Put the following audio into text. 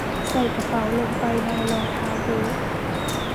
ใส่กระเป๋าลงไปในรองเท้าบูท